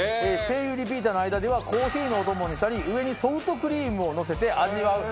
リピーターの間ではコーヒーのお供にしたり上にソフトクリームをのせて味わう